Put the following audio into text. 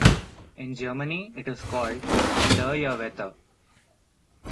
In Germany it is called "Dreierwette".